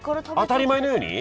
当たり前のように？